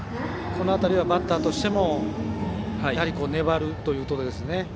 この辺りはバッターとしても粘るということですね。